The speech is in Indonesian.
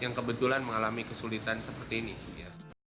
yang kebetulan mengalami kesulitan seperti ini ya